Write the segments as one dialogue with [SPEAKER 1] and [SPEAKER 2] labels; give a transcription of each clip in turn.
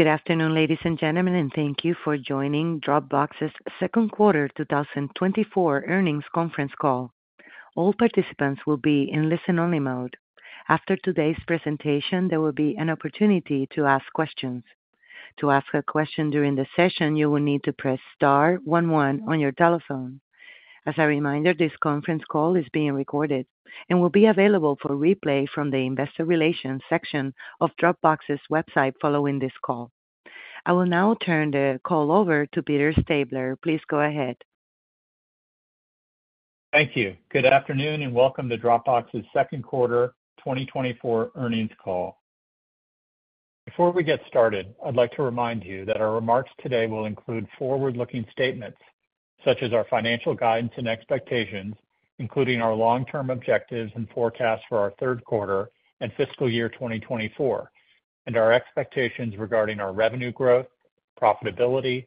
[SPEAKER 1] Good afternoon, ladies and gentlemen, and thank you for joining Dropbox's second quarter 2024 earnings conference call. All participants will be in listen-only mode. After today's presentation, there will be an opportunity to ask questions. To ask a question during the session, you will need to press star one one on your telephone. As a reminder, this conference call is being recorded and will be available for replay from the investor relations section of Dropbox's website following this call. I will now turn the call over to Peter Stabler. Please go ahead.
[SPEAKER 2] Thank you. Good afternoon, and welcome to Dropbox's second quarter 2024 earnings call. Before we get started, I'd like to remind you that our remarks today will include forward-looking statements, such as our financial guidance and expectations, including our long-term objectives and forecasts for our third quarter and fiscal year 2024, and our expectations regarding our revenue growth, profitability,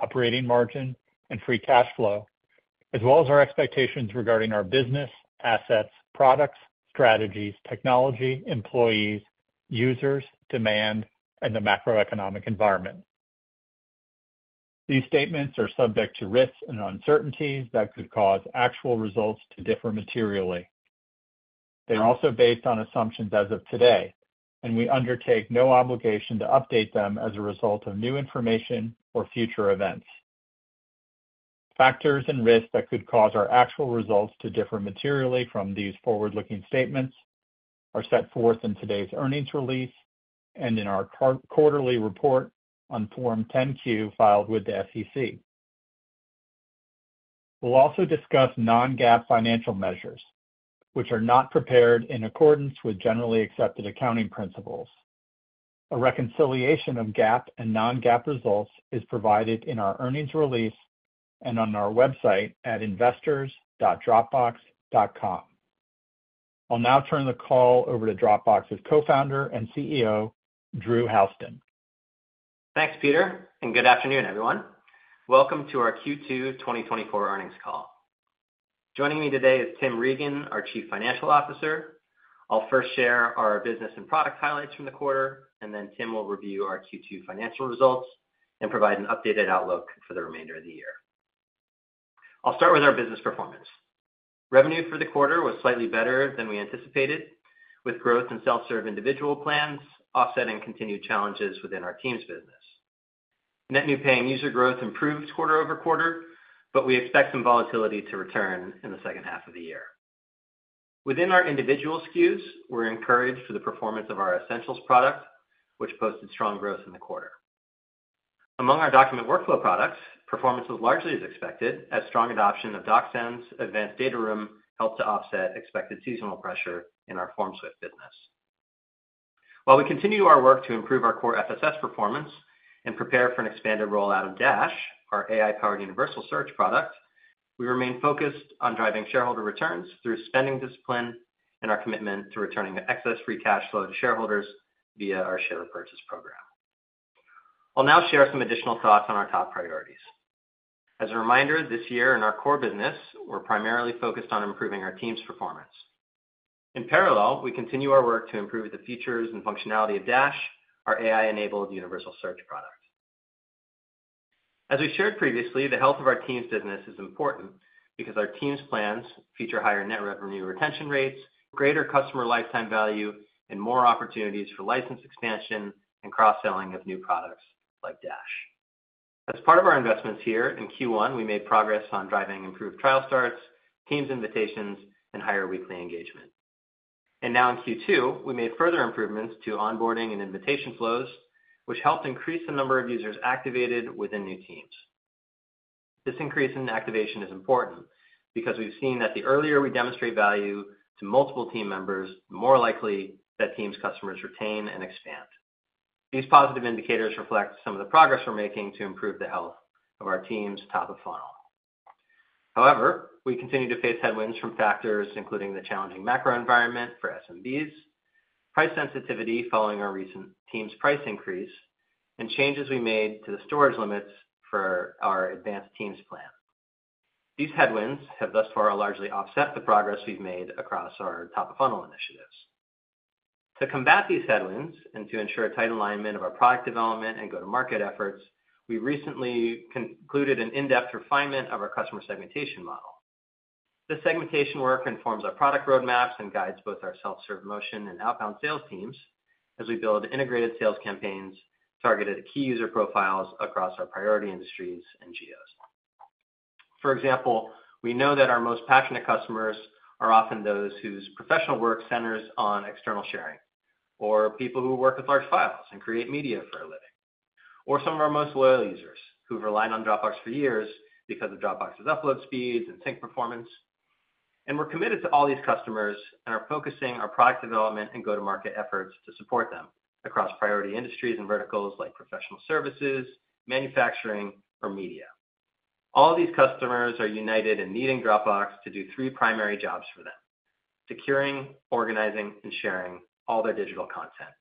[SPEAKER 2] operating margin, and free cash flow, as well as our expectations regarding our business, assets, products, strategies, technology, employees, users, demand, and the macroeconomic environment. These statements are subject to risks and uncertainties that could cause actual results to differ materially. They're also based on assumptions as of today, and we undertake no obligation to update them as a result of new information or future events. Factors and risks that could cause our actual results to differ materially from these forward-looking statements are set forth in today's earnings release and in our quarterly report on Form 10-Q filed with the SEC. We'll also discuss non-GAAP financial measures, which are not prepared in accordance with generally accepted accounting principles. A reconciliation of GAAP and non-GAAP results is provided in our earnings release and on our website at investors.dropbox.com. I'll now turn the call over to Dropbox's Co-founder and CEO, Drew Houston.
[SPEAKER 3] Thanks, Peter, and good afternoon, everyone. Welcome to our Q2 2024 earnings call. Joining me today is Tim Regan, our Chief Financial Officer. I'll first share our business and product highlights from the quarter, and then Tim will review our Q2 financial results and provide an updated outlook for the remainder of the year. I'll start with our business performance. Revenue for the quarter was slightly better than we anticipated, with growth in self-serve individual plans offsetting continued challenges within our Teams business. Net new paying user growth improved quarter-over-quarter, but we expect some volatility to return in the second half of the year. Within our individual SKUs, we're encouraged for the performance of our Essentials product, which posted strong growth in the quarter. Among our document workflow products, performance was largely as expected, as strong adoption of DocSend's Advanced Data Room helped to offset expected seasonal pressure in our FormSwift business. While we continue our work to improve our core FSS performance and prepare for an expanded rollout of Dash, our AI-powered universal search product, we remain focused on driving shareholder returns through spending discipline and our commitment to returning the excess free cash flow to shareholders via our share repurchase program. I'll now share some additional thoughts on our top priorities. As a reminder, this year in our core business, we're primarily focused on improving our team's performance. In parallel, we continue our work to improve the features and functionality of Dash, our AI-enabled universal search product. As we shared previously, the health of our Teams business is important because our Teams plans feature higher net revenue retention rates, greater customer lifetime value, and more opportunities for license expansion and cross-selling of new products like Dash. As part of our investments here in Q1, we made progress on driving improved trial starts, Teams invitations, and higher weekly engagement. Now in Q2, we made further improvements to onboarding and invitation flows, which helped increase the number of users activated within new Teams. This increase in activation is important because we've seen that the earlier we demonstrate value to multiple team members, the more likely that Teams customers retain and expand. These positive indicators reflect some of the progress we're making to improve the health of our Teams' top of funnel. However, we continue to face headwinds from factors including the challenging macro environment for SMBs, price sensitivity following our recent Teams price increase, and changes we made to the storage limits for our Advanced Teams plan. These headwinds have thus far largely offset the progress we've made across our top-of-funnel initiatives. To combat these headwinds and to ensure a tight alignment of our product development and go-to-market efforts, we recently concluded an in-depth refinement of our customer segmentation model. This segmentation work informs our product roadmaps and guides both our self-serve motion and outbound sales Teams as we build integrated sales campaigns targeted at key user profiles across our priority industries and geos. For example, we know that our most passionate customers are often those whose professional work centers on external sharing, or people who work with large files and create media for a living, or some of our most loyal users who've relied on Dropbox for years because of Dropbox's upload speeds and sync performance. We're committed to all these customers and are focusing our product development and go-to-market efforts to support them across priority industries and verticals like professional services, manufacturing, or media. All these customers are united in needing Dropbox to do three primary jobs for them: securing, organizing, and sharing all their digital content.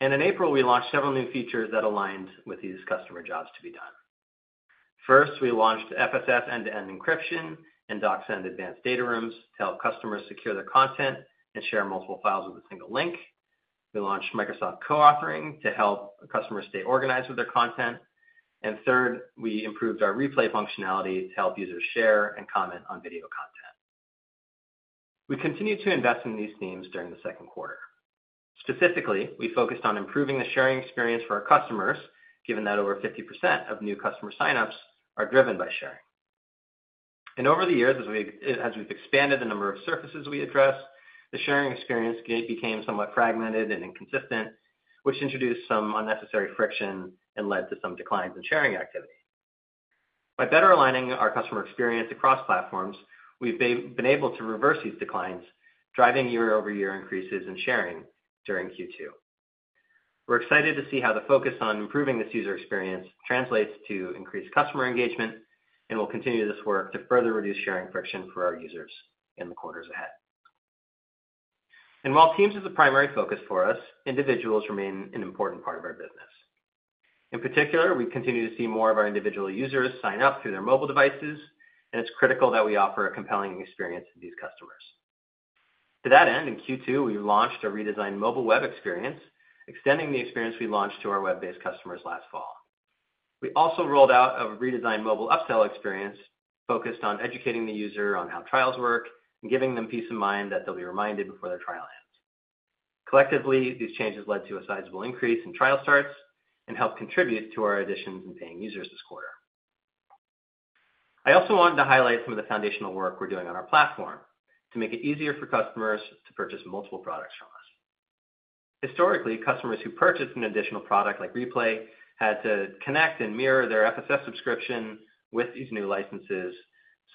[SPEAKER 3] In April, we launched several new features that aligned with these customer jobs to be done... First, we launched FSS end-to-end encryption and DocSend Advanced Data Rooms to help customers secure their content and share multiple files with a single link. We launched Microsoft Co-authoring to help customers stay organized with their content. And third, we improved our Replay functionality to help users share and comment on video content. We continued to invest in these themes during the second quarter. Specifically, we focused on improving the sharing experience for our customers, given that over 50% of new customer signups are driven by sharing. And over the years, as we've expanded the number of surfaces we address, the sharing experience became somewhat fragmented and inconsistent, which introduced some unnecessary friction and led to some declines in sharing activity. By better aligning our customer experience across platforms, we've been able to reverse these declines, driving year-over-year increases in sharing during Q2. We're excited to see how the focus on improving this user experience translates to increased customer engagement, and we'll continue this work to further reduce sharing friction for our users in the quarters ahead. While Teams is a primary focus for us, individuals remain an important part of our business. In particular, we continue to see more of our individual users sign up through their mobile devices, and it's critical that we offer a compelling experience to these customers. To that end, in Q2, we launched a redesigned mobile web experience, extending the experience we launched to our web-based customers last fall. We also rolled out a redesigned mobile upsell experience, focused on educating the user on how trials work and giving them peace of mind that they'll be reminded before their trial ends. Collectively, these changes led to a sizable increase in trial starts and helped contribute to our additions in paying users this quarter. I also wanted to highlight some of the foundational work we're doing on our platform to make it easier for customers to purchase multiple products from us. Historically, customers who purchased an additional product, like Replay, had to connect and mirror their FSS subscription with these new licenses,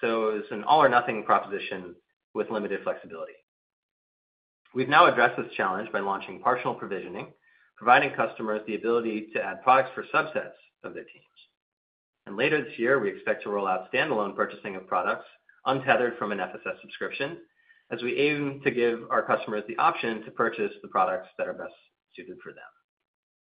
[SPEAKER 3] so it was an all-or-nothing proposition with limited flexibility. We've now addressed this challenge by launching partial provisioning, providing customers the ability to add products for subsets of their Teams. Later this year, we expect to roll out standalone purchasing of products, untethered from an FSS subscription, as we aim to give our customers the option to purchase the products that are best suited for them.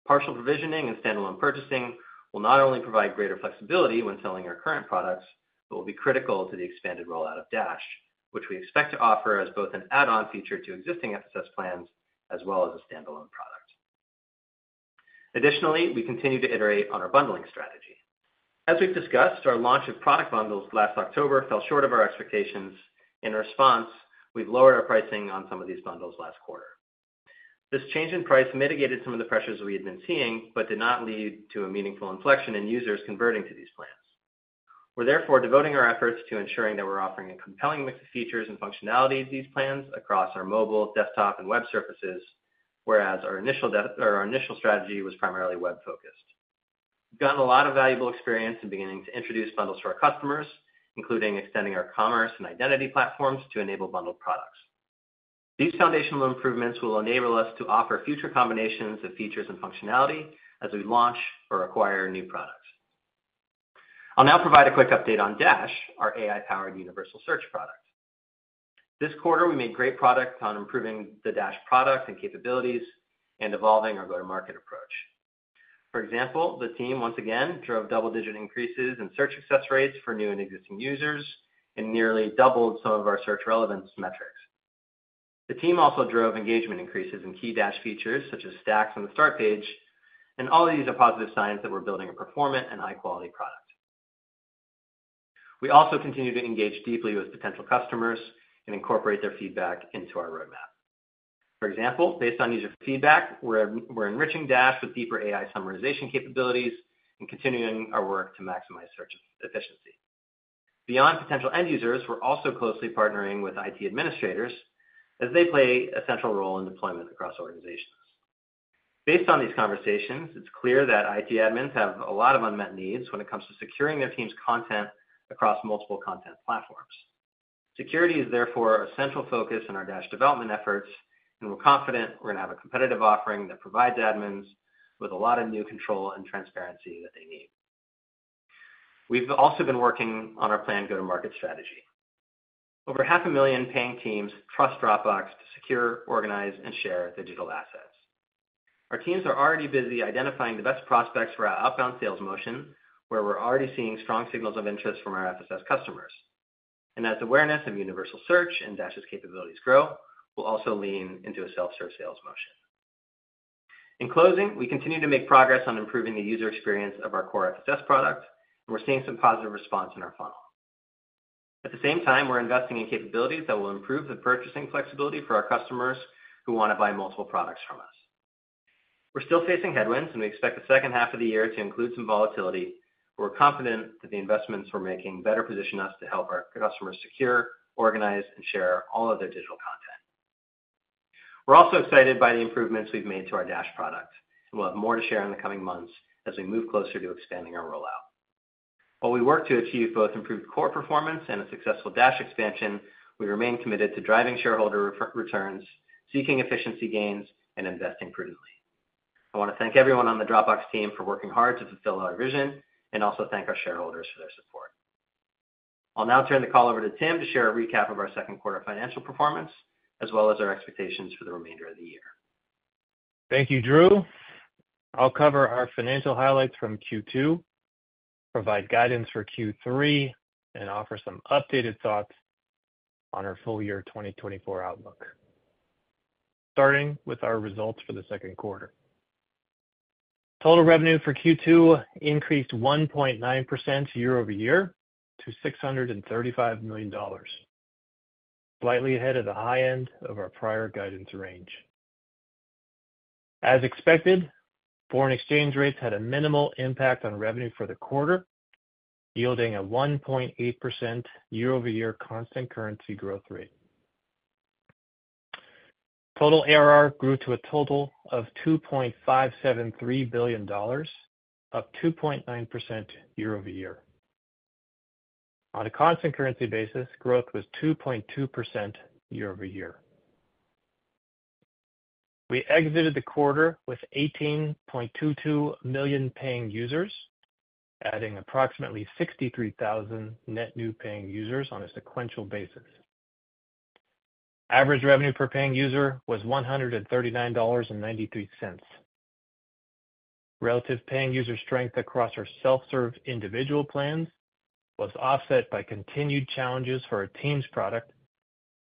[SPEAKER 3] Partial provisioning and standalone purchasing will not only provide greater flexibility when selling our current products, but will be critical to the expanded rollout of Dash, which we expect to offer as both an add-on feature to existing FSS plans, as well as a standalone product. Additionally, we continue to iterate on our bundling strategy. As we've discussed, our launch of product bundles last October fell short of our expectations. In response, we've lowered our pricing on some of these bundles last quarter. This change in price mitigated some of the pressures we had been seeing, but did not lead to a meaningful inflection in users converting to these plans. We're therefore devoting our efforts to ensuring that we're offering a compelling mix of features and functionality of these plans across our mobile, desktop, and web surfaces, whereas or our initial strategy was primarily web-focused. We've gotten a lot of valuable experience in beginning to introduce bundles to our customers, including extending our commerce and identity platforms to enable bundled products. These foundational improvements will enable us to offer future combinations of features and functionality as we launch or acquire new products. I'll now provide a quick update on Dash, our AI-powered universal search product. This quarter, we made great progress on improving the Dash product and capabilities and evolving our go-to-market approach. For example, the team, once again, drove double-digit increases in search success rates for new and existing users and nearly doubled some of our search relevance metrics. The team also drove engagement increases in key Dash features, such as Stacks on the Start page, and all of these are positive signs that we're building a performant and high-quality product. We also continue to engage deeply with potential customers and incorporate their feedback into our roadmap. For example, based on user feedback, we're enriching Dash with deeper AI summarization capabilities and continuing our work to maximize search efficiency. Beyond potential end users, we're also closely partnering with IT administrators, as they play a central role in deployment across organizations. Based on these conversations, it's clear that IT admins have a lot of unmet needs when it comes to securing their team's content across multiple content platforms. Security is therefore a central focus in our Dash development efforts, and we're confident we're gonna have a competitive offering that provides admins with a lot of new control and transparency that they need. We've also been working on our planned go-to-market strategy. Over 500,000 paying Teams trust Dropbox to secure, organize, and share digital assets. Our Teams are already busy identifying the best prospects for our outbound sales motion, where we're already seeing strong signals of interest from our FSS customers. And as awareness of universal search and Dash's capabilities grow, we'll also lean into a self-serve sales motion. In closing, we continue to make progress on improving the user experience of our core FSS product, and we're seeing some positive response in our funnel. At the same time, we're investing in capabilities that will improve the purchasing flexibility for our customers who wanna buy multiple products from us. We're still facing headwinds, and we expect the second half of the year to include some volatility, but we're confident that the investments we're making better position us to help our customers secure, organize, and share all of their digital content. We're also excited by the improvements we've made to our Dash product, and we'll have more to share in the coming months as we move closer to expanding our rollout. While we work to achieve both improved core performance and a successful Dash expansion, we remain committed to driving shareholder returns, seeking efficiency gains, and investing prudently. I wanna thank everyone on the Dropbox team for working hard to fulfill our vision, and also thank our shareholders for their support. I'll now turn the call over to Tim to share a recap of our second quarter financial performance, as well as our expectations for the remainder of the year.
[SPEAKER 4] Thank you, Drew. I'll cover our financial highlights from Q2, provide guidance for Q3, and offer some updated thoughts on our full year 2024 outlook. Starting with our results for the second quarter. Total revenue for Q2 increased 1.9% year-over-year to $635 million, slightly ahead of the high end of our prior guidance range. As expected, foreign exchange rates had a minimal impact on revenue for the quarter, yielding a 1.8% year-over-year constant currency growth rate. Total ARR grew to a total of $2.573 billion, up 2.9% year-over-year. On a constant currency basis, growth was 2.2% year-over-year. We exited the quarter with 18.22 million paying users, adding approximately 63,000 net new paying users on a sequential basis. Average revenue per paying user was $139.93. Relative paying user strength across our self-serve individual plans was offset by continued challenges for our Teams product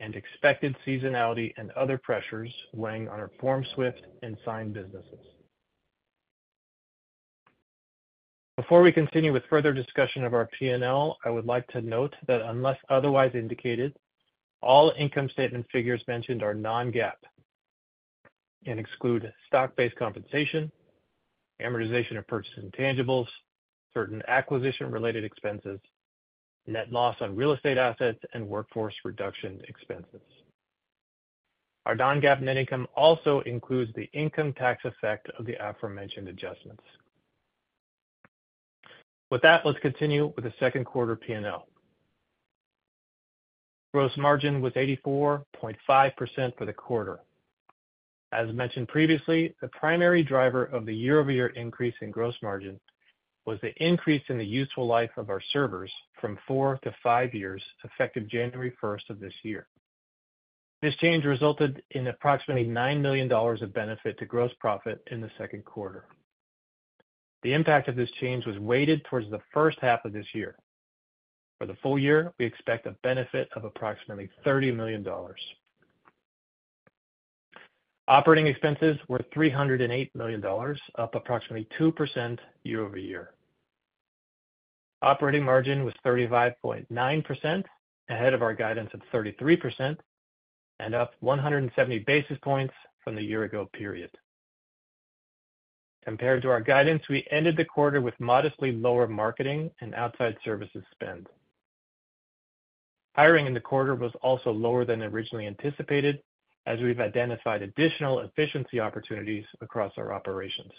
[SPEAKER 4] and expected seasonality and other pressures weighing on our FormSwift and Sign businesses. Before we continue with further discussion of our P&L, I would like to note that unless otherwise indicated, all income statement figures mentioned are non-GAAP, and exclude stock-based compensation, amortization of purchased intangibles, certain acquisition-related expenses, net loss on real estate assets, and workforce reduction expenses. Our non-GAAP net income also includes the income tax effect of the aforementioned adjustments. With that, let's continue with the second quarter P&L. Gross margin was 84.5% for the quarter. As mentioned previously, the primary driver of the year-over-year increase in gross margin was the increase in the useful life of our servers from 4 to 5 years, effective January first of this year. This change resulted in approximately $9 million of benefit to gross profit in the second quarter. The impact of this change was weighted towards the first half of this year. For the full year, we expect a benefit of approximately $30 million. Operating expenses were $308 million, up approximately 2% year-over-year. Operating margin was 35.9%, ahead of our guidance of 33%, and up 170 basis points from the year ago period. Compared to our guidance, we ended the quarter with modestly lower marketing and outside services spend. Hiring in the quarter was also lower than originally anticipated, as we've identified additional efficiency opportunities across our operations.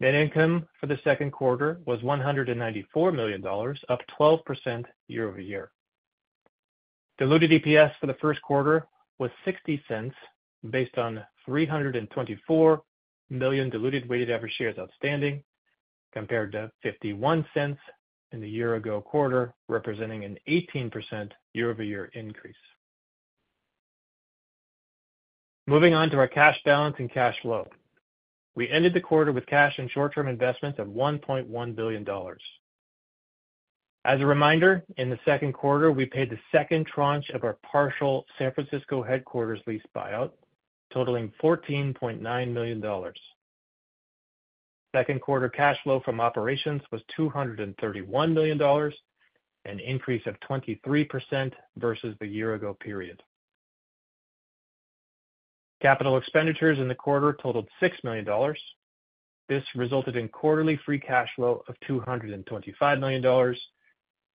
[SPEAKER 4] Net income for the second quarter was $194 million, up 12% year-over-year. Diluted EPS for the first quarter was $0.60, based on 324 million diluted weighted average shares outstanding, compared to $0.51 in the year ago quarter, representing an 18% year-over-year increase. Moving on to our cash balance and cash flow. We ended the quarter with cash and short-term investments of $1.1 billion. As a reminder, in the second quarter, we paid the second tranche of our partial San Francisco headquarters lease buyout, totaling $14.9 million. Second quarter cash flow from operations was $231 million, an increase of 23% versus the year ago period. Capital expenditures in the quarter totaled $6 million. This resulted in quarterly free cash flow of $225 million,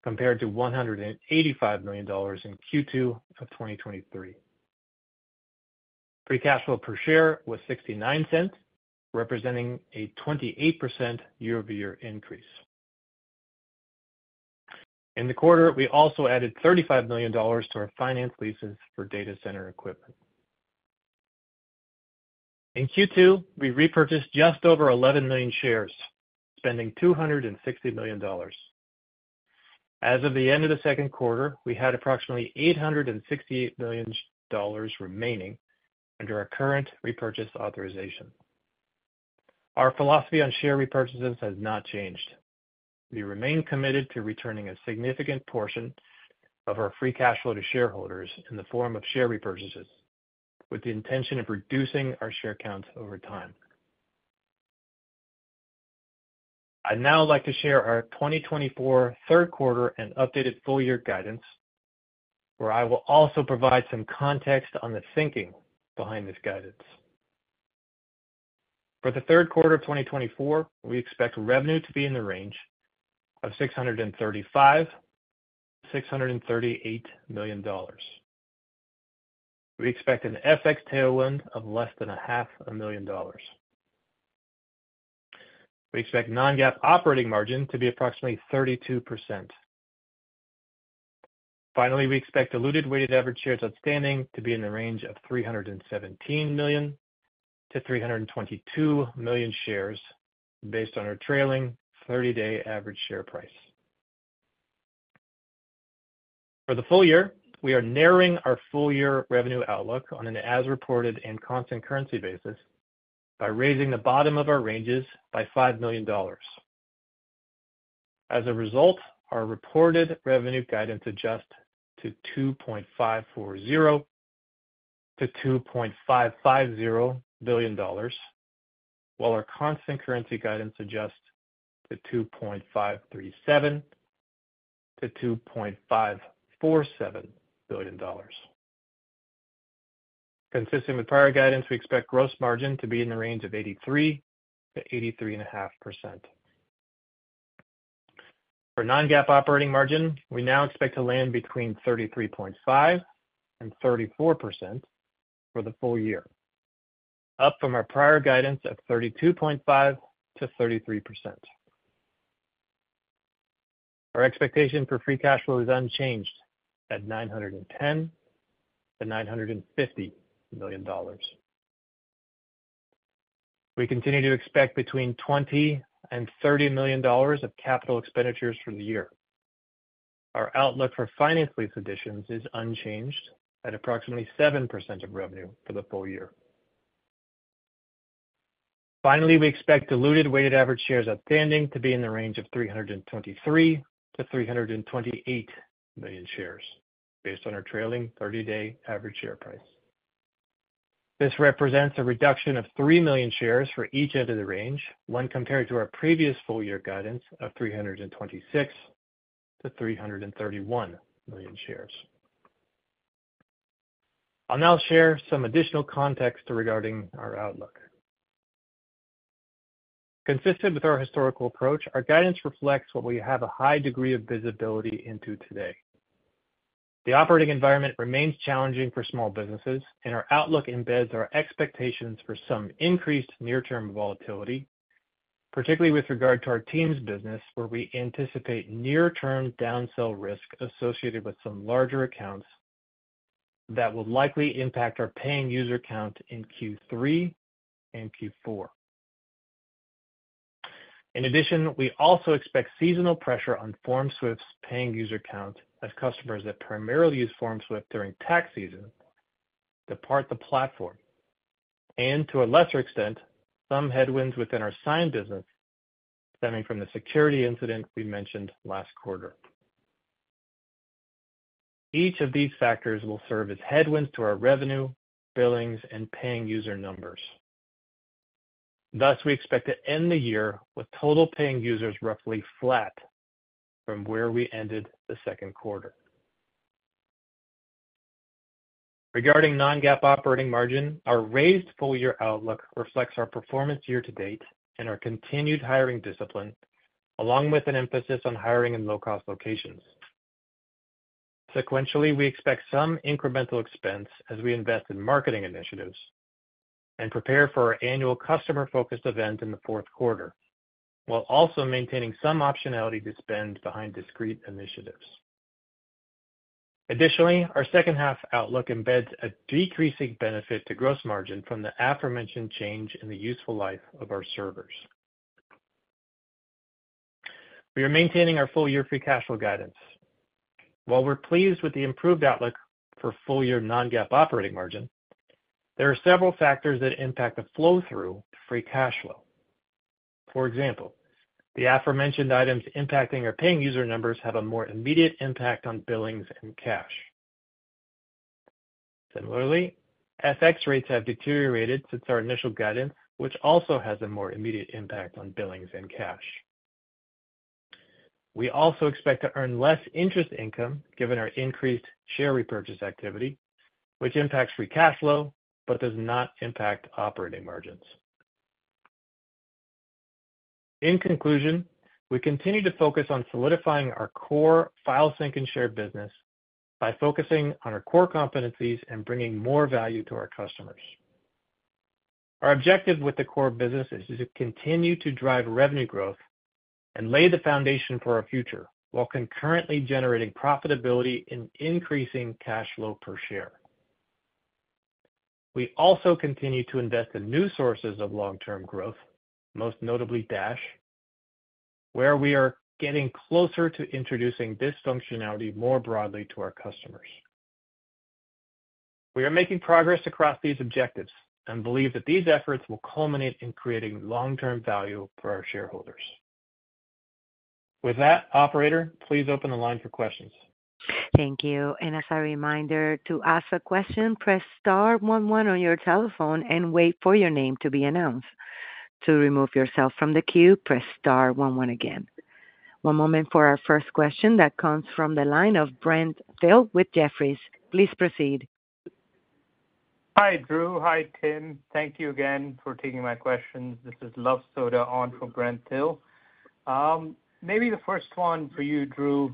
[SPEAKER 4] compared to $185 million in Q2 of 2023. Free cash flow per share was $0.69, representing a 28% year-over-year increase. In the quarter, we also added $35 million to our finance leases for data center equipment. In Q2, we repurchased just over 11 million shares, spending $260 million. As of the end of the second quarter, we had approximately $868 million remaining under our current repurchase authorization. Our philosophy on share repurchases has not changed. We remain committed to returning a significant portion of our free cash flow to shareholders in the form of share repurchases, with the intention of reducing our share count over time. I'd now like to share our 2024 third quarter and updated full year guidance, where I will also provide some context on the thinking behind this guidance. For the third quarter of 2024, we expect revenue to be in the range of $635 million-$638 million. We expect an FX tailwind of less than $500,000. We expect non-GAAP operating margin to be approximately 32%.... Finally, we expect diluted weighted average shares outstanding to be in the range of 317 million to 322 million shares, based on our trailing thirty-day average share price. For the full year, we are narrowing our full-year revenue outlook on an as-reported and constant currency basis by raising the bottom of our ranges by $5 million. As a result, our reported revenue guidance adjusts to $2.540 billion-$2.550 billion, while our constant currency guidance adjusts to $2.537 billion-$2.547 billion. Consistent with prior guidance, we expect gross margin to be in the range of 83%-83.5%. For non-GAAP operating margin, we now expect to land between 33.5%-34% for the full year, up from our prior guidance of 32.5%-33%. Our expectation for free cash flow is unchanged at $910 million-$950 million. We continue to expect between $20 million-$30 million of capital expenditures for the year. Our outlook for finance lease additions is unchanged at approximately 7% of revenue for the full year. Finally, we expect diluted weighted average shares outstanding to be in the range of 323 to 328 million shares, based on our trailing 30-day average share price. This represents a reduction of 3 million shares for each end of the range when compared to our previous full-year guidance of 326 to 331 million shares. I'll now share some additional context regarding our outlook. Consistent with our historical approach, our guidance reflects what we have a high degree of visibility into today. The operating environment remains challenging for small businesses, and our outlook embeds our expectations for some increased near-term volatility, particularly with regard to our Teams business, where we anticipate near-term downsell risk associated with some larger accounts that will likely impact our paying user count in Q3 and Q4. In addition, we also expect seasonal pressure on FormSwift's paying user count, as customers that primarily use FormSwift during tax season depart the platform, and to a lesser extent, some headwinds within our Sign business stemming from the security incident we mentioned last quarter. Each of these factors will serve as headwinds to our revenue, billings, and paying user numbers. Thus, we expect to end the year with total paying users roughly flat from where we ended the second quarter. Regarding non-GAAP operating margin, our raised full-year outlook reflects our performance year-to-date and our continued hiring discipline, along with an emphasis on hiring in low-cost locations. Sequentially, we expect some incremental expense as we invest in marketing initiatives and prepare for our annual customer-focused event in the fourth quarter, while also maintaining some optionality to spend behind discrete initiatives. Additionally, our second half outlook embeds a decreasing benefit to gross margin from the aforementioned change in the useful life of our servers. We are maintaining our full-year free cash flow guidance. While we're pleased with the improved outlook for full-year non-GAAP operating margin, there are several factors that impact the flow-through to free cash flow. For example, the aforementioned items impacting our paying user numbers have a more immediate impact on billings and cash. Similarly, FX rates have deteriorated since our initial guidance, which also has a more immediate impact on billings and cash. We also expect to earn less interest income, given our increased share repurchase activity, which impacts free cash flow, but does not impact operating margins. In conclusion, we continue to focus on solidifying our core file, sync, and share business by focusing on our core competencies and bringing more value to our customers. Our objective with the core business is to continue to drive revenue growth and lay the foundation for our future, while concurrently generating profitability and increasing cash flow per share. We also continue to invest in new sources of long-term growth, most notably Dash, where we are getting closer to introducing this functionality more broadly to our customers. We are making progress across these objectives and believe that these efforts will culminate in creating long-term value for our shareholders. With that, operator, please open the line for questions.
[SPEAKER 1] Thank you. And as a reminder, to ask a question, press star one one on your telephone and wait for your name to be announced. To remove yourself from the queue, press star one one again. One moment for our first question that comes from the line of Brent Thill with Jefferies. Please proceed.
[SPEAKER 5] Hi, Drew. Hi, Tim. Thank you again for taking my questions. This is Luv Sodha on for Brent Thill. Maybe the first one for you, Drew.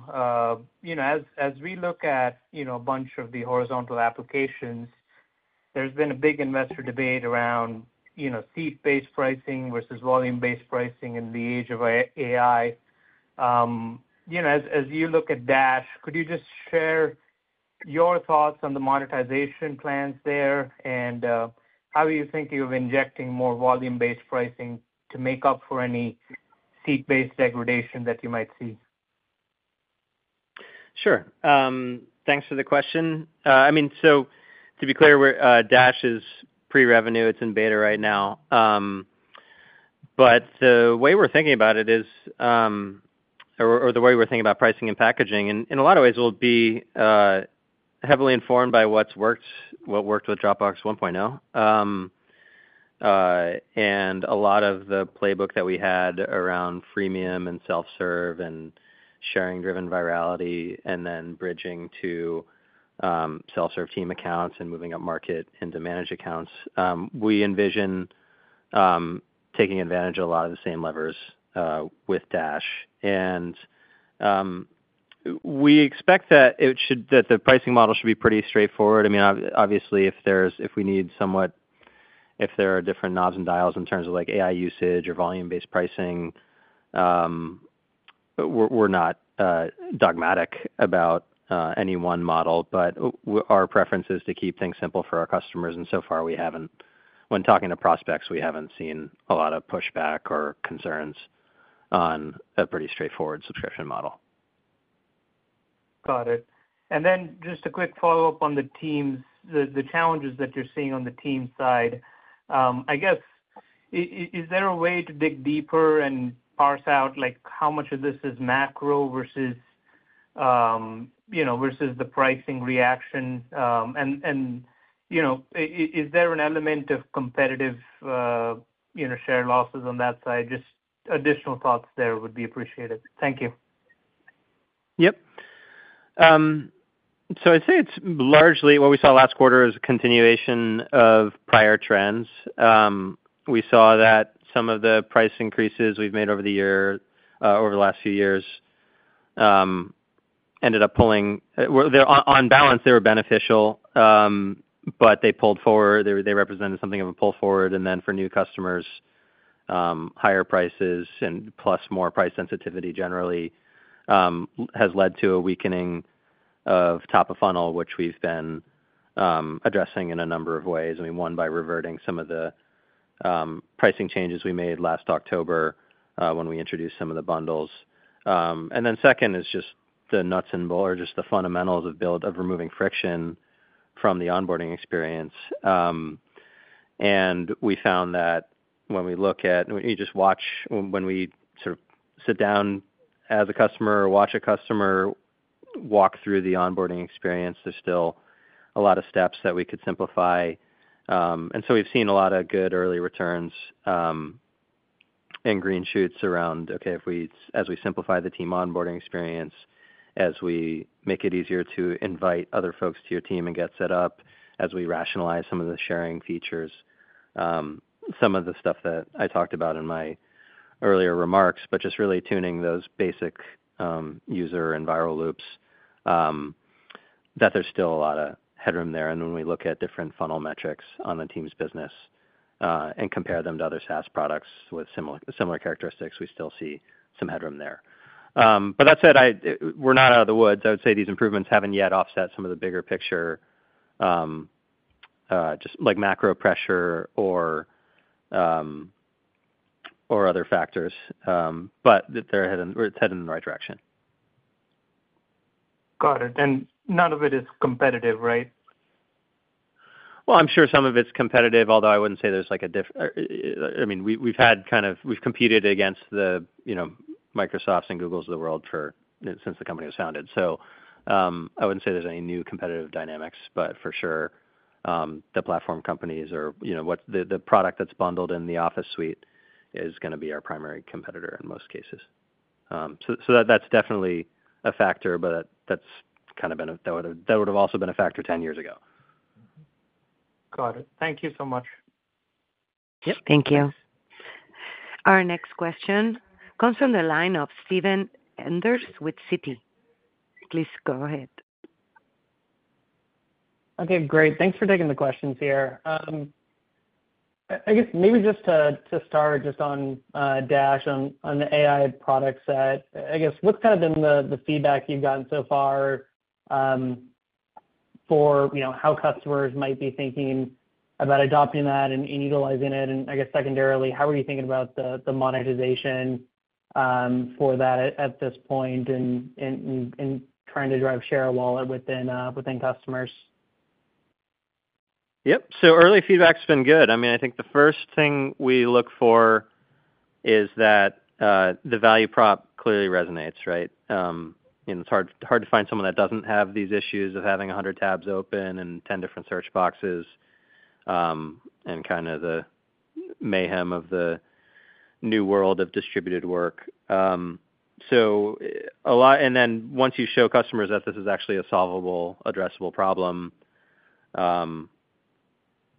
[SPEAKER 5] You know, as, as we look at, you know, a bunch of the horizontal applications,... there's been a big investor debate around, you know, seat-based pricing versus volume-based pricing in the age of AI. You know, as, as you look at Dash, could you just share your thoughts on the monetization plans there? And, how are you thinking of injecting more volume-based pricing to make up for any seat-based degradation that you might see?
[SPEAKER 3] Sure. Thanks for the question. I mean, so to be clear, Dash is pre-revenue. It's in beta right now. But the way we're thinking about it is, the way we're thinking about pricing and packaging, in a lot of ways will be heavily informed by what's worked—what worked with Dropbox 1.0. And a lot of the playbook that we had around freemium and self-serve and sharing-driven virality, and then bridging to self-serve team accounts and moving up market into managed accounts. We envision taking advantage of a lot of the same levers with Dash. And we expect that the pricing model should be pretty straightforward. I mean, obviously, if there's—if we need somewhat... If there are different knobs and dials in terms of, like, AI usage or volume-based pricing, we're not dogmatic about any one model, but our preference is to keep things simple for our customers, and so far we haven't. When talking to prospects, we haven't seen a lot of pushback or concerns on a pretty straightforward subscription model.
[SPEAKER 5] Got it. And then just a quick follow-up on the Teams. The challenges that you're seeing on the Teams side. I guess, is there a way to dig deeper and parse out, like, how much of this is macro versus, you know, versus the pricing reaction? And, you know, is there an element of competitive, you know, share losses on that side? Just additional thoughts there would be appreciated. Thank you.
[SPEAKER 3] Yep. So I'd say it's largely what we saw last quarter is a continuation of prior trends. We saw that some of the price increases we've made over the year, over the last few years, ended up pulling forward. Well, they're on balance, they were beneficial, but they pulled forward. They represented something of a pull forward, and then for new customers, higher prices and plus more price sensitivity generally, has led to a weakening of top of funnel, which we've been addressing in a number of ways. I mean, one, by reverting some of the pricing changes we made last October, when we introduced some of the bundles. And then second is just the nuts and bolts or just the fundamentals of build, of removing friction from the onboarding experience. And we found that when we look at... You just watch when we sort of sit down as a customer or watch a customer walk through the onboarding experience, there's still a lot of steps that we could simplify. So we've seen a lot of good early returns, and green shoots around, okay, if we, as we simplify the team onboarding experience, as we make it easier to invite other folks to your team and get set up, as we rationalize some of the sharing features, some of the stuff that I talked about in my earlier remarks. But just really tuning those basic user and viral loops that there's still a lot of headroom there. And when we look at different funnel metrics on the Teams business, and compare them to other SaaS products with similar, similar characteristics, we still see some headroom there. But that said, we're not out of the woods. I would say these improvements haven't yet offset some of the bigger picture, just like macro pressure or, or other factors, but they're heading, we're headed in the right direction.
[SPEAKER 5] Got it. And none of it is competitive, right?
[SPEAKER 3] Well, I'm sure some of it's competitive, although I wouldn't say there's like a, I mean, we, we've had kind of, we've competed against the, you know, Microsofts and Googles of the world for, since the company was founded. So, I wouldn't say there's any new competitive dynamics, but for sure, the platform companies are, you know, the, the product that's bundled in the Office suite is gonna be our primary competitor in most cases. So, so that's definitely a factor, but that's kind of been, that would've, that would've also been a factor 10 years ago.
[SPEAKER 5] Got it. Thank you so much.
[SPEAKER 3] Yep.
[SPEAKER 1] Thank you. Our next question comes from the line of Steven Enders with Citi. Please go ahead.
[SPEAKER 6] Okay, great. Thanks for taking the questions here. I guess maybe just to start just on Dash, on the AI product set, I guess what's kind of been the feedback you've gotten so far, you know, how customers might be thinking about adopting that and utilizing it? And I guess secondarily, how are you thinking about the monetization for that at this point and trying to drive share wallet within customers?
[SPEAKER 3] Yep. So early feedback's been good. I mean, I think the first thing we look for is that, the value prop clearly resonates, right? And it's hard, hard to find someone that doesn't have these issues of having 100 tabs open and 10 different search boxes, and kind of the mayhem of the new world of distributed work. So a lot... And then once you show customers that this is actually a solvable, addressable problem,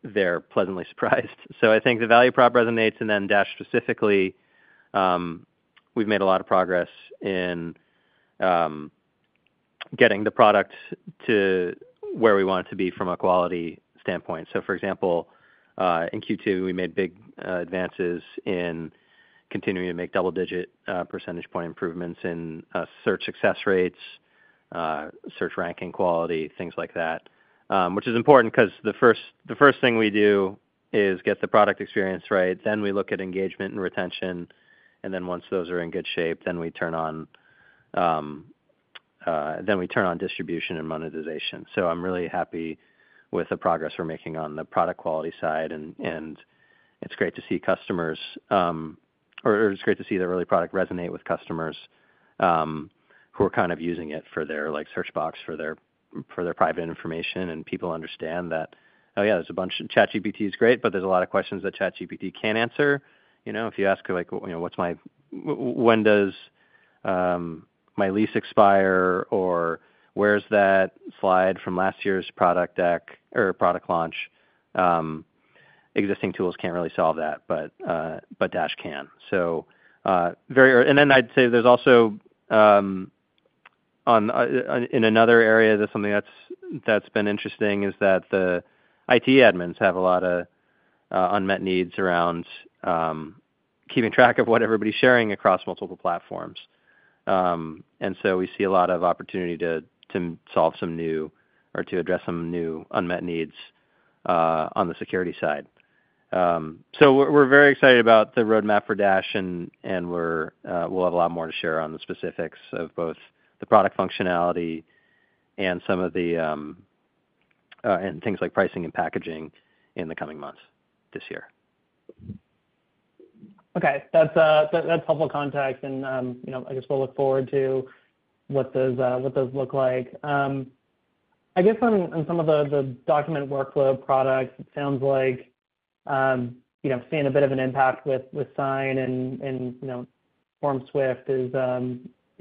[SPEAKER 3] they're pleasantly surprised. So I think the value prop resonates, and then Dash specifically, we've made a lot of progress in getting the product to where we want it to be from a quality standpoint. So for example, in Q2, we made big advances in continuing to make double-digit percentage point improvements in search success rates, search ranking quality, things like that. Which is important because the first thing we do is get the product experience right, then we look at engagement and retention, and then once those are in good shape, then we turn on distribution and monetization. So I'm really happy with the progress we're making on the product quality side, and it's great to see customers, or it's great to see the early product resonate with customers, who are kind of using it for their, like, search box, for their private information. And people understand that, oh, yeah, there's a bunch-- ChatGPT is great, but there's a lot of questions that ChatGPT can't answer. You know, if you ask, like, you know, what's my-- when does my lease expire? Or where's that slide from last year's product deck or product launch? Existing tools can't really solve that, but Dash can. So, very ear- And then I'd say there's also, in another area that's something that's been interesting, is that the IT admins have a lot of unmet needs around keeping track of what everybody's sharing across multiple platforms. And so we see a lot of opportunity to solve some new or to address some new unmet needs on the security side. So we're very excited about the roadmap for Dash, and we're, we'll have a lot more to share on the specifics of both the product functionality and some of the and things like pricing and packaging in the coming months this year.
[SPEAKER 6] Okay. That's, that's helpful context, and, you know, I guess we'll look forward to what those, what those look like. I guess on, on some of the, the document workflow products, it sounds like, you know, seeing a bit of an impact with, with Sign and, and, you know,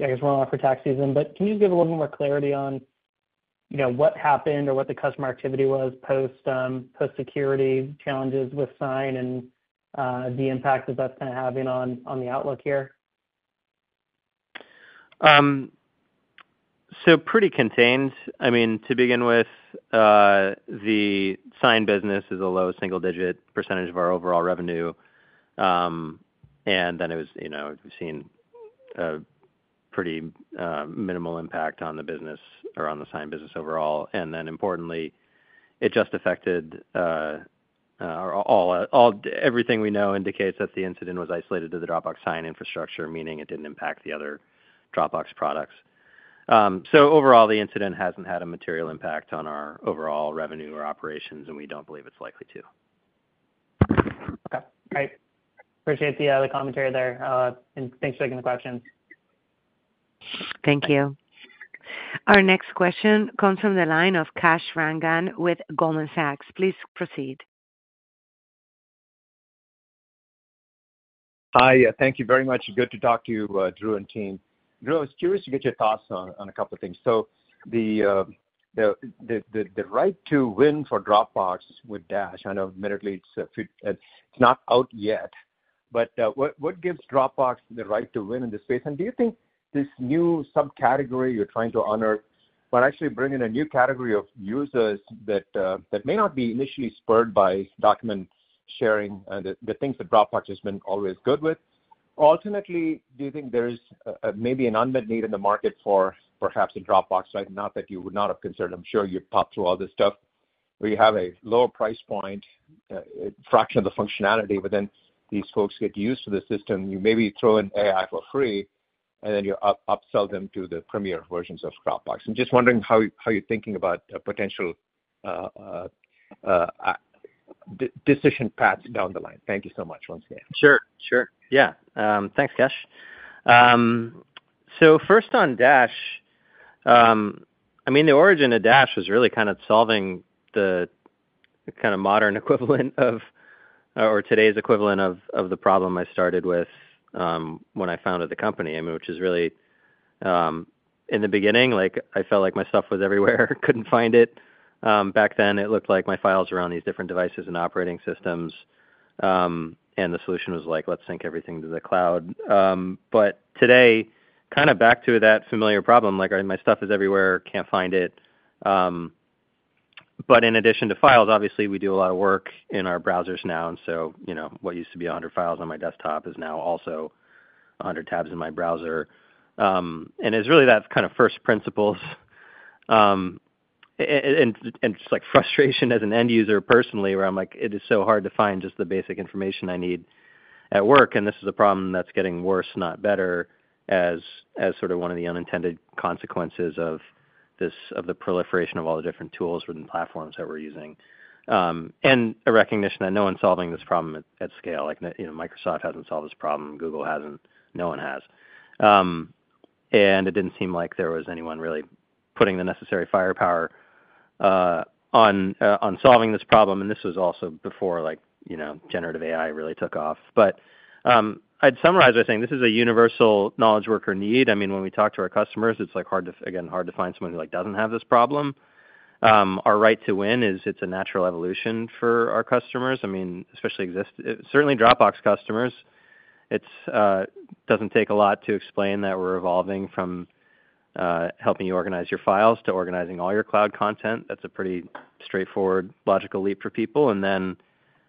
[SPEAKER 6] FormSwift is, I guess we're off for tax season. But can you give a little more clarity on, you know, what happened or what the customer activity was post, post-security challenges with Sign and, the impact that that's kind of having on, on the outlook here?
[SPEAKER 3] So pretty contained. I mean, to begin with, the Sign business is a low single-digit % of our overall revenue. And then it was, you know, we've seen a pretty minimal impact on the business or on the Sign business overall. And then importantly, it just affected everything we know indicates that the incident was isolated to the Dropbox Sign infrastructure, meaning it didn't impact the other Dropbox products. So overall, the incident hasn't had a material impact on our overall revenue or operations, and we don't believe it's likely to.
[SPEAKER 6] Okay, great. Appreciate the commentary there, and thanks for taking the question.
[SPEAKER 1] Thank you. Our next question comes from the line of Kash Rangan with Goldman Sachs. Please proceed.
[SPEAKER 7] Hi, thank you very much. Good to talk to you, Drew and team. Drew, I was curious to get your thoughts on a couple of things. So the right to win for Dropbox with Dash, I know admittedly it's not out yet, but what gives Dropbox the right to win in this space? And do you think this new subcategory you're trying to honor will actually bring in a new category of users that may not be initially spurred by document sharing, the things that Dropbox has been always good with? Alternatively, do you think there's maybe an unmet need in the market for perhaps a Dropbox, right, not that you would not have considered, I'm sure you've thought through all this stuff, where you have a lower price point, fraction of the functionality, but then these folks get used to the system. You maybe throw in AI for free, and then you upsell them to the premier versions of Dropbox. I'm just wondering how you're thinking about the potential decision paths down the line. Thank you so much once again.
[SPEAKER 3] Sure, sure. Yeah, thanks, Kash. So first on Dash, I mean, the origin of Dash was really kind of solving the kind of modern equivalent of, or today's equivalent of, of the problem I started with, when I founded the company, I mean, which is really, in the beginning, like, I felt like my stuff was everywhere, couldn't find it. Back then, it looked like my files were on these different devices and operating systems, and the solution was like, let's sync everything to the cloud. But today, kind of back to that familiar problem, like, my stuff is everywhere, can't find it. But in addition to files, obviously, we do a lot of work in our browsers now, and so, you know, what used to be 100 files on my desktop is now also 100 tabs in my browser. And it's really that kind of first principles, and just like frustration as an end user personally, where I'm like: It is so hard to find just the basic information I need at work, and this is a problem that's getting worse, not better, as sort of one of the unintended consequences of the proliferation of all the different tools and platforms that we're using. And a recognition that no one's solving this problem at scale. Like, you know, Microsoft hasn't solved this problem, Google hasn't, no one has. And it didn't seem like there was anyone really putting the necessary firepower on solving this problem, and this was also before like, you know, generative AI really took off. But, I'd summarize by saying this is a universal knowledge worker need. I mean, when we talk to our customers, it's, like, hard to... again, hard to find someone who, like, doesn't have this problem. Our right to win is it's a natural evolution for our customers. I mean, especially certainly Dropbox customers. It's doesn't take a lot to explain that we're evolving from helping you organize your files to organizing all your cloud content. That's a pretty straightforward, logical leap for people. And then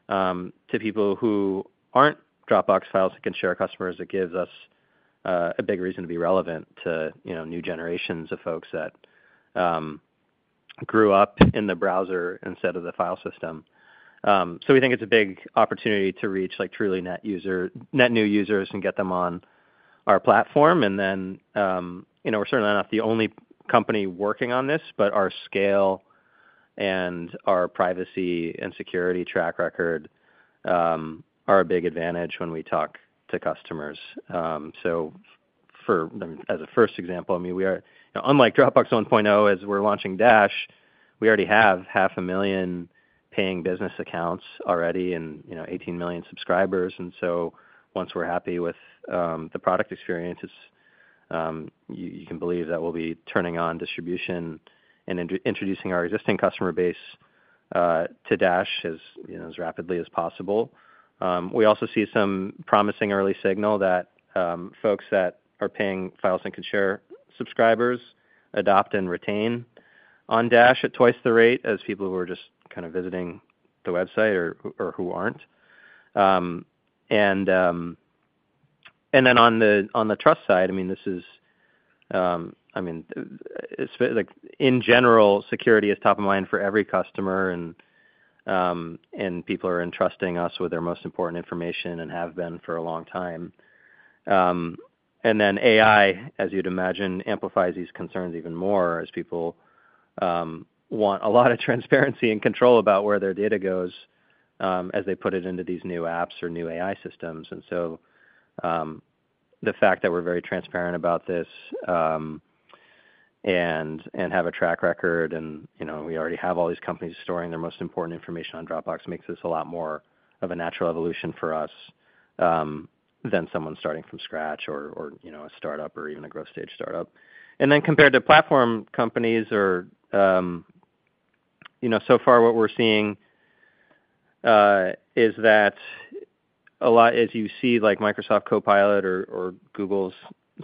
[SPEAKER 3] to people who aren't Dropbox files who can share our customers, it gives us a big reason to be relevant to, you know, new generations of folks that grew up in the browser instead of the file system. So we think it's a big opportunity to reach, like, truly net-new users and get them on our platform. And then, you know, we're certainly not the only company working on this, but our scale and our privacy and security track record are a big advantage when we talk to customers. So, as a first example, I mean, we are unlike Dropbox 1.0. As we're launching Dash, we already have 500,000 paying business accounts already and, you know, 18 million subscribers. Once we're happy with the product experiences, you can believe that we'll be turning on distribution and introducing our existing customer base to Dash, you know, as rapidly as possible. We also see some promising early signal that folks that are paying FSS and Canvas subscribers adopt and retain on Dash at twice the rate as people who are just kind of visiting the website or who aren't. And then on the trust side, I mean, this is. I mean, like, in general, security is top of mind for every customer, and people are entrusting us with their most important information and have been for a long time. And then AI, as you'd imagine, amplifies these concerns even more as people want a lot of transparency and control about where their data goes, as they put it into these new apps or new AI systems. And so, the fact that we're very transparent about this, and have a track record and, you know, we already have all these companies storing their most important information on Dropbox, makes this a lot more of a natural evolution for us, than someone starting from scratch or, you know, a startup or even a growth stage startup. And then compared to platform companies or, you know, so far what we're seeing is that a lot, as you see, like Microsoft Copilot or Google's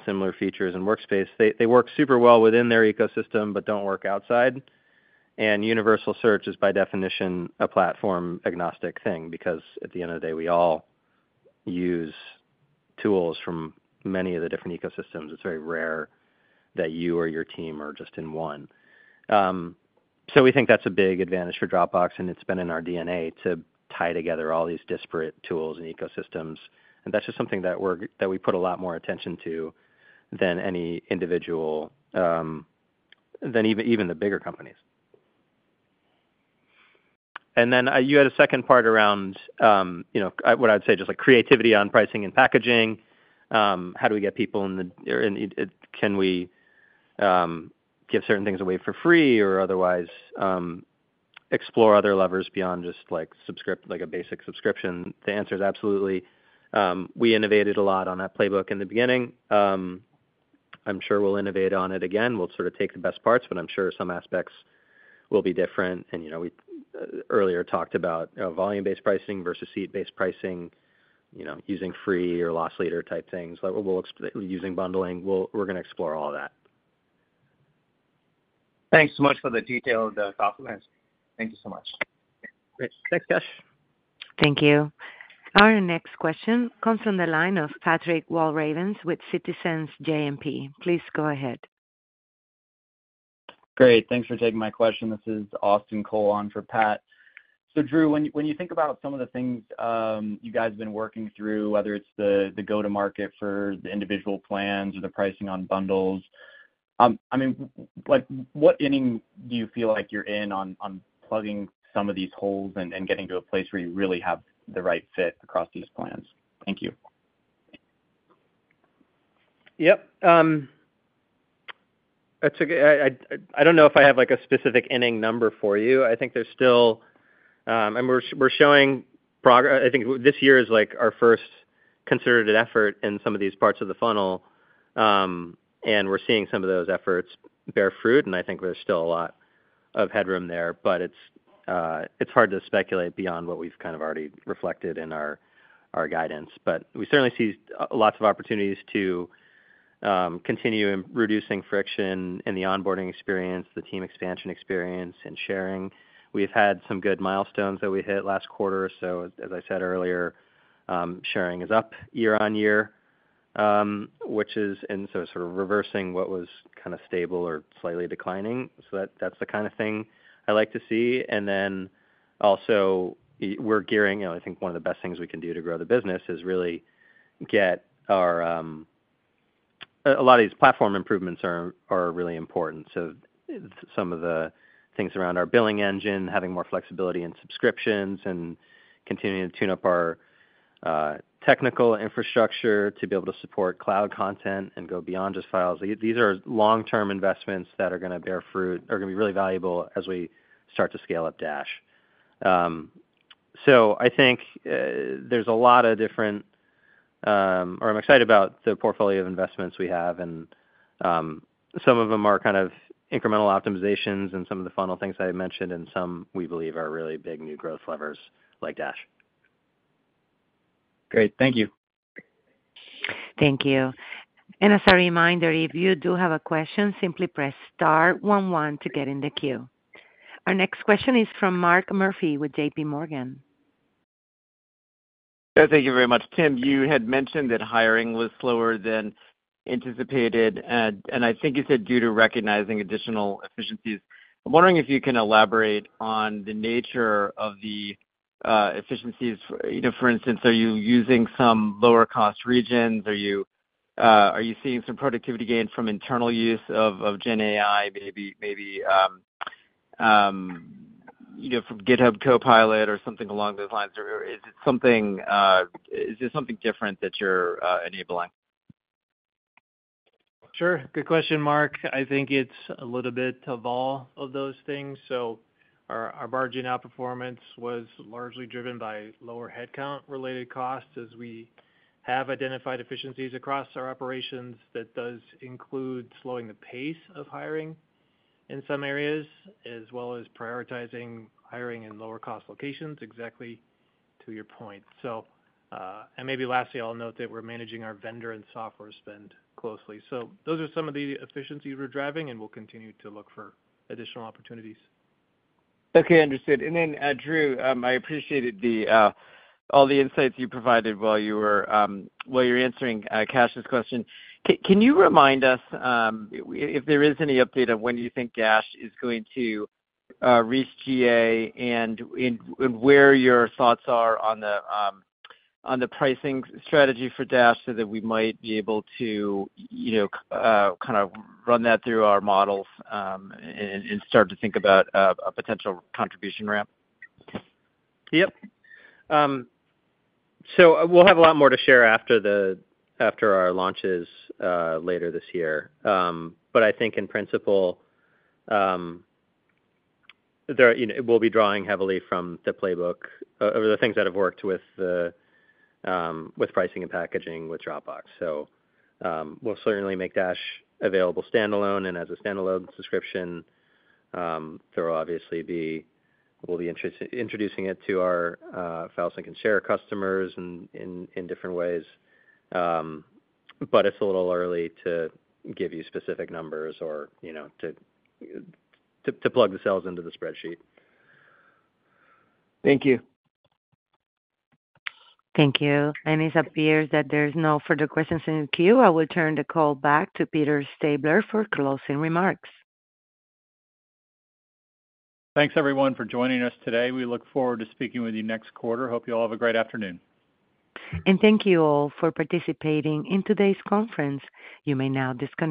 [SPEAKER 3] similar features in Workspace, they work super well within their ecosystem but don't work outside. Universal search is, by definition, a platform-agnostic thing, because at the end of the day, we all use tools from many of the different ecosystems. It's very rare that you or your team are just in one. So we think that's a big advantage for Dropbox, and it's been in our DNA to tie together all these disparate tools and ecosystems. And that's just something that we put a lot more attention to than any individual, than even the bigger companies. And then you had a second part around, you know, what I'd say, just like creativity on pricing and packaging. How do we get people in the? And can we give certain things away for free or otherwise explore other levers beyond just like a basic subscription? The answer is absolutely. We innovated a lot on that playbook in the beginning. I'm sure we'll innovate on it again. We'll sort of take the best parts, but I'm sure some aspects will be different. And, you know, we earlier talked about, you know, volume-based pricing versus seat-based pricing, you know, using free or loss leader type things, but we'll explore using bundling. We're gonna explore all that.
[SPEAKER 7] Thanks so much for the detailed compliments. Thank you so much.
[SPEAKER 3] Great. Thanks, Kash.
[SPEAKER 1] Thank you. Our next question comes from the line of Patrick Walravens with Citizens JMP. Please go ahead.
[SPEAKER 8] Great. Thanks for taking my question. This is Austin Cole on for Pat. So, Drew, when you think about some of the things you guys have been working through, whether it's the go-to-market for the individual plans or the pricing on bundles, I mean, like, what inning do you feel like you're in on plugging some of these holes and getting to a place where you really have the right fit across these plans? Thank you.
[SPEAKER 3] Yep. That's a good... I don't know if I have, like, a specific inning number for you. I think there's still... And we're showing progress. I think this year is, like, our first concerted effort in some of these parts of the funnel, and we're seeing some of those efforts bear fruit, and I think there's still a lot of headroom there. But it's hard to speculate beyond what we've kind of already reflected in our guidance. But we certainly see lots of opportunities to continue reducing friction in the onboarding experience, the team expansion experience, and sharing. We've had some good milestones that we hit last quarter. So as I said earlier, sharing is up year on year, which is, and so sort of reversing what was kind of stable or slightly declining. So that's the kind of thing I like to see. And then also, we're gearing, you know, I think one of the best things we can do to grow the business is really get our... A lot of these platform improvements are really important. So some of the things around our billing engine, having more flexibility in subscriptions, and continuing to tune up our technical infrastructure to be able to support cloud content and go beyond just files. These are long-term investments that are gonna bear fruit, are gonna be really valuable as we start to scale up Dash. So I think there's a lot of different... Or I'm excited about the portfolio of investments we have and... Some of them are kind of incremental optimizations and some of the funnel things I had mentioned, and some we believe are really big new growth levers, like Dash.
[SPEAKER 2] Great. Thank you.
[SPEAKER 1] Thank you. As a reminder, if you do have a question, simply press star one one to get in the queue. Our next question is from Mark Murphy with J.P. Morgan.
[SPEAKER 9] Yeah, thank you very much. Tim, you had mentioned that hiring was slower than anticipated, and I think you said due to recognizing additional efficiencies. I'm wondering if you can elaborate on the nature of the efficiencies. You know, for instance, are you using some lower cost regions? Are you seeing some productivity gains from internal use of GenAI, maybe you know, from GitHub Copilot or something along those lines? Or is it something, is there something different that you're enabling?
[SPEAKER 4] Sure. Good question, Mark. I think it's a little bit of all of those things. So our margin outperformance was largely driven by lower headcount-related costs, as we have identified efficiencies across our operations. That does include slowing the pace of hiring in some areas, as well as prioritizing hiring in lower cost locations, exactly to your point. So, and maybe lastly, I'll note that we're managing our vendor and software spend closely. So those are some of the efficiencies we're driving, and we'll continue to look for additional opportunities.
[SPEAKER 9] Okay, understood. Then, Drew, I appreciated all the insights you provided while you were answering Kash's question. Can you remind us if there is any update on when you think Dash is going to reach GA, and where your thoughts are on the pricing strategy for Dash, so that we might be able to, you know, kind of run that through our models, and start to think about a potential contribution ramp?
[SPEAKER 3] Yep. So we'll have a lot more to share after the, after our launches later this year. But I think in principle, there, you know, we'll be drawing heavily from the playbook or the things that have worked with the pricing and packaging with Dropbox. So we'll certainly make Dash available standalone and as a standalone subscription. There will obviously be... We'll be introducing it to our files and share customers in different ways. But it's a little early to give you specific numbers or, you know, to plug the cells into the spreadsheet.
[SPEAKER 9] Thank you.
[SPEAKER 1] Thank you. It appears that there's no further questions in the queue. I will turn the call back to Peter Stabler for closing remarks.
[SPEAKER 2] Thanks, everyone, for joining us today. We look forward to speaking with you next quarter. Hope you all have a great afternoon.
[SPEAKER 1] Thank you all for participating in today's conference. You may now disconnect.